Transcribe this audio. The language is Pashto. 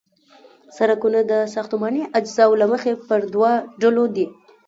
سرکونه د ساختماني اجزاوو له مخې په دوه ډلو دي